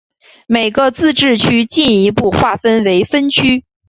每个自治区进一步划分为分区。